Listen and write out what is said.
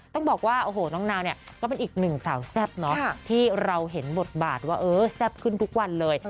ต้องบอกว่าโอ้โหน้องนาวเนี่ยก็เป็นอีกหนึ่งสาวแซ่บเนาะที่เราเห็นบทบาทว่าเออแซ่บขึ้นทุกวันเลย